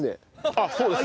あっそうです。